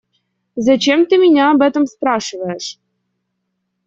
Зачем ты меня об этом спрашиваешь?